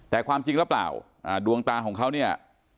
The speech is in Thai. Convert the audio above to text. แต่ความจริงหรือเปล่าดวงตาของเขาเนี่ย